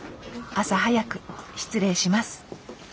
朝早く失礼します。